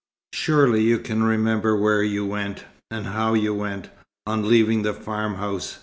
"Surely you can remember where you went, and how you went, on leaving the farmhouse?"